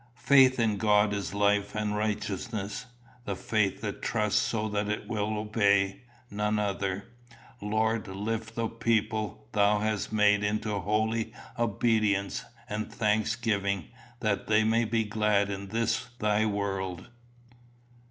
Faith in God is life and righteousness the faith that trusts so that it will obey none other. Lord, lift the people thou hast made into holy obedience and thanksgiving, that they may be glad in this thy world.